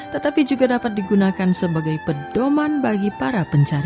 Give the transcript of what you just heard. tetapi juga dapat digunakan sebagai pedoman bagi para pencari